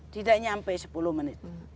tidak sampai sepuluh menit